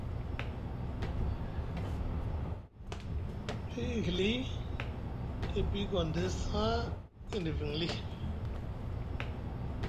Ɗay e hili e piyi Gondes haa e niviŋ lii.